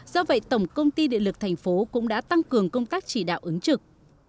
do vậy tổng công ty điện lực thành phố cũng đã tăng cường công tác chỉ đạo ứng trực